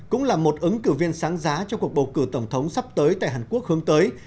cũng là một ứng cử viên sáng giá cho cuộc bầu cử tổng thống sắp tới tại hàn quốc hướng tới